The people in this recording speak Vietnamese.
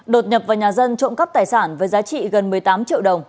đột nhập vào nhà dân trộm cắp tài sản với giá trị gần một mươi tám triệu đồng